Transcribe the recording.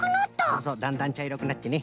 そうそうだんだんちゃいろくなってね。